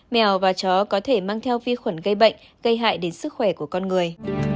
mèo và chó có thể mang theo vi khuẩn gây bệnh gây hại đến sức khỏe của con người